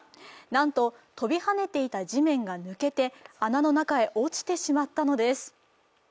なんと飛び跳ねていた地面が抜けて穴の中へ落ちてしまったのです。